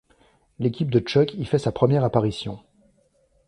L'équipe de Chuuk y fait sa première apparition.